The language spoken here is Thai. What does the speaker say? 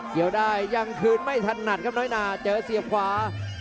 เกี่ยวได้ยังคืนไม่ถนัดครับน้อยนาเจอเสียบขวา